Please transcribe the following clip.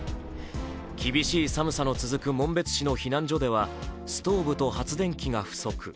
厳しい寒さの続く紋別市の避難所ではストーブと発電機が不足。